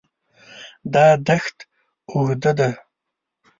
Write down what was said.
دا دښت اوږده ده.